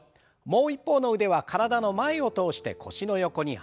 もう一方の腕は体の前を通して腰の横にあてます。